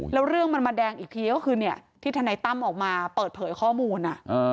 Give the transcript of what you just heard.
แล้วเรื่องมันมาแดงอีกทีก็คือที่ทนายตั้มออกมาเปิดเผยข้อมูล